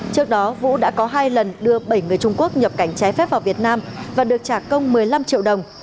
trước đó vũ đã có hai lần đưa bảy người trung quốc nhập cảnh trái phép vào việt nam và được trả công một mươi năm triệu đồng